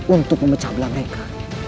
untuk memecah belah mereka